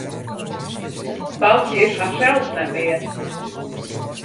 Boukje is harsels net mear.